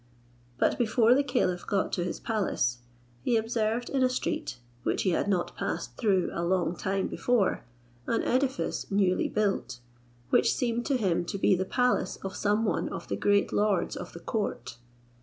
But before the caliph got to his palace, he observed in a street, which he had not passed through a long time before, an edifice newly built, which seemed to him to be the palace of some one of the great lords of the court.